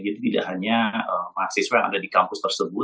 jadi tidak hanya mahasiswa yang ada di kampus tersebut